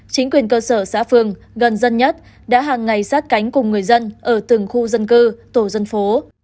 chính quyền cơ sở xã phường gần dân nhất đã hàng ngày sát cánh cùng người dân ở từng khu dân cư tổ dân phố